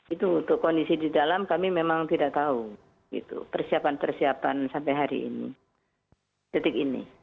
itu untuk kondisi di dalam kami memang tidak tahu persiapan persiapan sampai hari ini detik ini